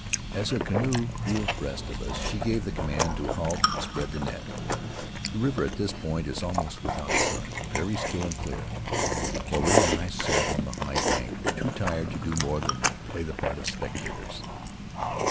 As her canoe drew abreast of us she gave the command to halt and spread the net. The river at this point is almost without current, very still and clear; Maruae and I sat on the high bank, too tired to do more than play the part of spectators.